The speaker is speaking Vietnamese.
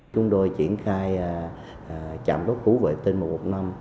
chúng tôi triển khai chạm đốc khu vệ tinh một năm